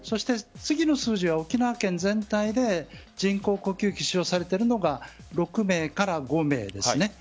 次の数字は沖縄県全体で人工呼吸器を使用されているのが６名から５名です。